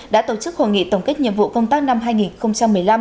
đã tổ chức hội nghị tổng kết nhiệm vụ công tác năm hai nghìn một mươi năm